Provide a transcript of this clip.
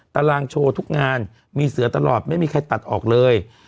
ตารางโชว์ทุกงานมีเสือตลอดไม่มีใครตัดออกเลย